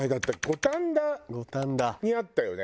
五反田にあったよね？